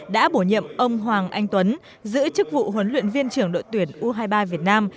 đã bổ nhiệm ông hoàng anh tuấn giữ chức vụ huấn luyện viên trưởng đội tuyển u hai mươi ba việt nam